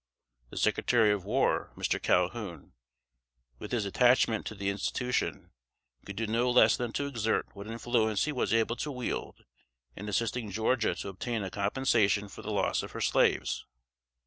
The Secretary of War, Mr. Calhoun, with his attachment to the institution, could do no less than to exert what influence he was able to wield, in assisting Georgia to obtain a compensation for the loss of her slaves.